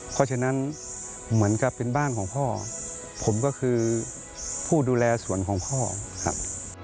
เพราะฉะนั้นเหมือนกับเป็นบ้านของพ่อผมก็คือผู้ดูแลสวนของพ่อครับ